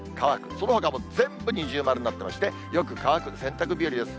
そのほかも全部二重丸になってまして、よく乾く、洗濯日和です。